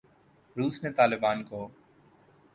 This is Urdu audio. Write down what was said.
روس نے طالبان کو